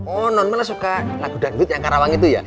oh non mana suka lagu dangdut yang karawang itu ya